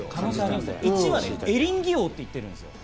１話でエリンギ王って言ってるんです。